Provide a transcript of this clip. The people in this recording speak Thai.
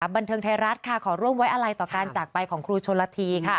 อับบรรเทิงไทยรัฐขอร่วมไว้อะไรต่อการจากไปของครูชนฤษฎี